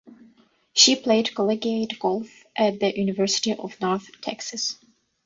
She played collegiate golf at the University of North Texas.